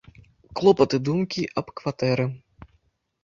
Клопат і думкі аб кватэры.